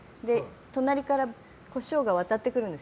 隣からコショウが渡ってくるんです。